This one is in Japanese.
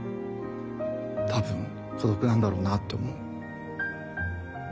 多分孤独なんだろうなって思う。